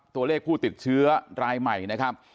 ตัวเลขผู้ติดเชื้อรายใหม่นะครับ